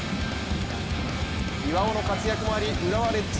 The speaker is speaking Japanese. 岩尾の活躍もあり浦和レッズ